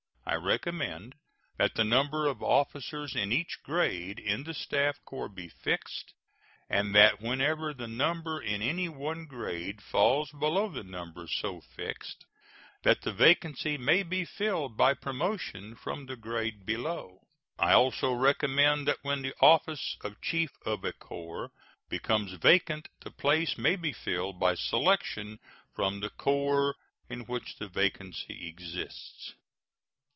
I recommend that the number of officers in each grade in the staff corps be fixed, and that whenever the number in any one grade falls below the number so fixed, that the vacancy may be filled by promotion from the grade below. I also recommend that when the office of chief of a corps becomes vacant the place may be filled by selection from the corps in which the vacancy exists.